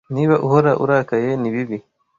niba uhora urakaye nibibi